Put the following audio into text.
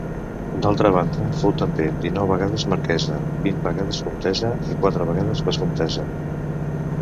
D'altra banda, fou també dinou vegades marquesa, vint vegades comtessa i quatre vegades vescomtessa.